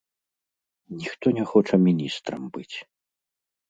Ніхто не хоча міністрам быць.